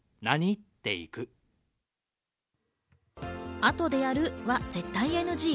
「あとでやる」は絶対ＮＧ。